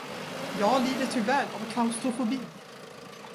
Jag lider tyvärr av klaustrofobi.